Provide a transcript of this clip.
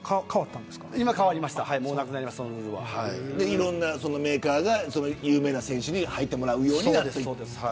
いろんなメーカーが有名な選手に履いてもらうようになった。